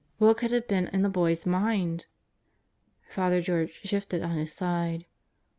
What could have been in the boy's mind? Father George shifted on his side.